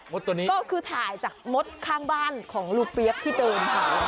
มดตัวนี้ก็คือถ่ายจากมดข้างบ้านของลูกเปี๊ยกที่เติม